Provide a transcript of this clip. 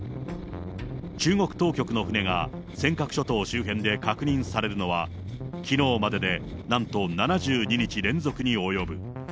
中国当局の船が尖閣諸島周辺で確認されるのは、去年までで、なんと７２日連続に及ぶ。